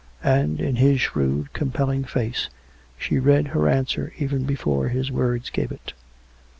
And, in his shrewd, compelling face, she read her answer even before his words gave it.